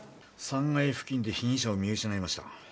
３階付近で被疑者を見失いました。